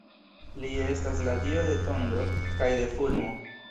Li estas la dio de tondro kaj de fulmo.